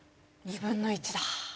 ２分の１だ。